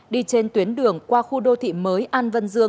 đi trên tuyến đường qua khu đô thị mơ